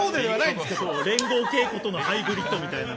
連合稽古とのハイブリッドみたいな。